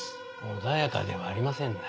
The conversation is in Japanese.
穏やかではありませんな。